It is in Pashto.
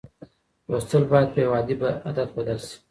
لوستل باید په یو عادت بدل سي.